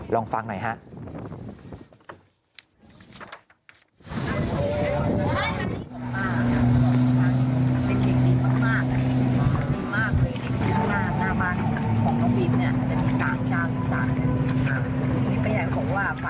ลองฟังหน่อยฮะ